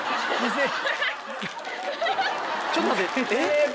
ちょっと待ってえっ？